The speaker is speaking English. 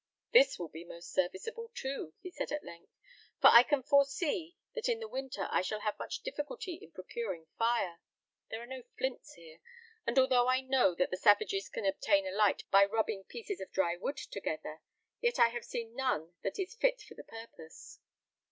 "This will be most serviceable too," he said at length, "for I can foresee that in the winter I shall have much difficulty in procuring fire. There are no flints here; and although I know that the savages can obtain a light by rubbing pieces of dry wood together, yet I have seen none that is fit for the purpose.